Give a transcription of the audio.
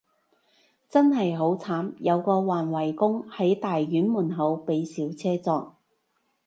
真係好慘，有個環衛工，喺大院門口被小車撞